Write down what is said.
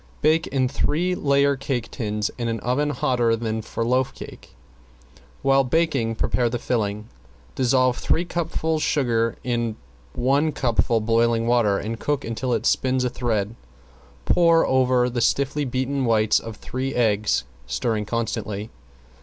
Bake in three layer cake tins in an oven hotter than for loaf cake. While baking prepare the filling. Dissolve three cupfuls sugar in one cupful boiling water, and cook until it spins a thread. Pour over the stiffly beaten whites of three eggs, stirring constantly.